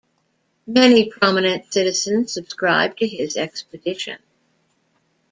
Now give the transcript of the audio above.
Many prominent citizens subscribed to his expedition.